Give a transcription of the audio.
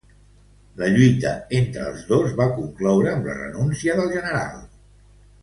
La lluita entre els dos va concloure amb la renúncia del general.